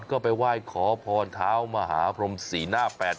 ก็ไปไหว้ขอพรเท้ามหาพรมศรีหน้า๘๐